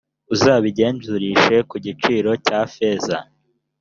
uzabingurishe ku giciro cya feza